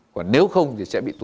còn nếu không thì sẽ bị tụt hậu